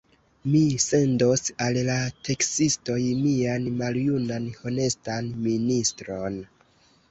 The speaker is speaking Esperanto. Mi sendos al la teksistoj mian maljunan honestan ministron!